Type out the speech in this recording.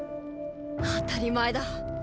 当たり前だ。